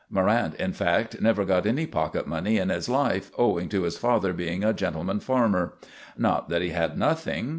Morrant, in fact, never got any pocket money in his life, owing to his father being a gentleman farmer. Not that he had nothing.